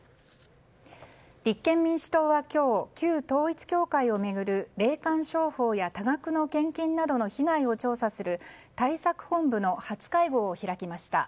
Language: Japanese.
立憲民主党は今日旧統一教会を巡る霊感商法や多額の献金などの被害を調査する対策本部の初会合を開きました。